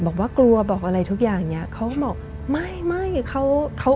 บอกว่ากลัวบอกอะไรทุกอย่างเนี้ยเขาก็บอกไม่ไม่เขาเขา